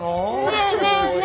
ねえねえねえ